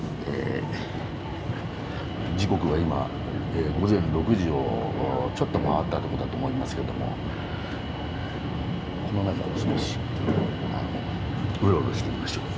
時刻は今午前６時をちょっと回ったとこだと思いますけどもこの中を少しうろうろしてみましょう。